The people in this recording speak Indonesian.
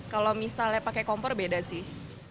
kalau misalnya pakai kompor beda sih